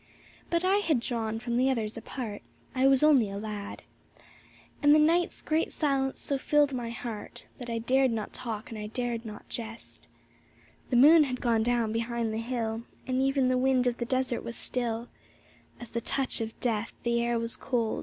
But I had drawn from the others apart; I was only a lad, And the night's great silence so filled my heart That I dared not talk and I dared not jest; The moon had gone down behind the hill And even the wind of the desert was still ; As the touch of death the air was cold.